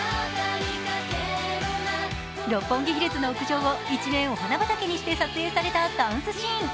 六本木ヒルズの屋上を一面、お花畑にして撮影されたダンスシーン。